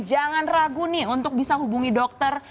jangan ragu nih untuk bisa hubungi dokter